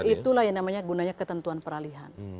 itulah yang namanya gunanya ketentuan peralihan